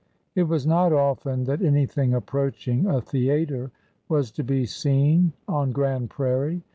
It was not often that any X thing approaching a " theayter was to be seen on Grand Prairie.